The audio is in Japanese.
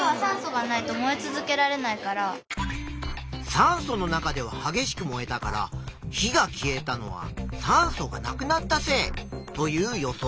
酸素の中でははげしく燃えたから火が消えたのは酸素がなくなったせいという予想。